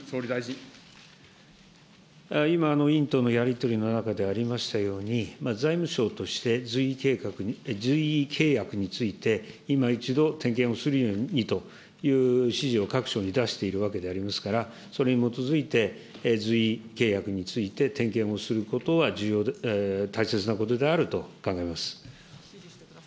今の委員とのやり取りの中でありましたように、財務省として、随意契約について、いまいちど点検をするようにという指示を各省に出しているわけでありますから、それに基づいて、随意契約について点検をすることは大切なことであると考えます。